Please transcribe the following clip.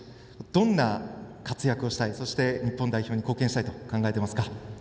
どんな活躍をしたいそして日本代表に貢献したいと考えていますか？